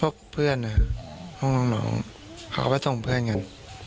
พวกเพื่อนนะครับห้องน้องเขาก็ไปส่งเพื่อนกัน